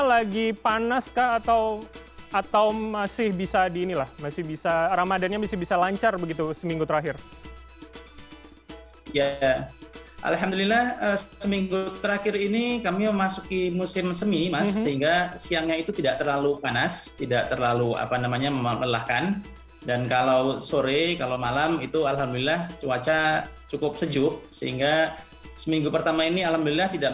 baik ya jadi selama